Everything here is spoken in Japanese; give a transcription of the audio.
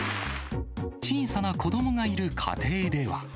小さな子どもがいる家庭では。